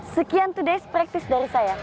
sekian today's practice dari saya